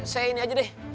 saya ini aja deh